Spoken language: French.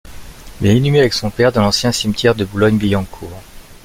Il est inhumé avec son père dans l’ancien cimetière de Boulogne-Billancourt.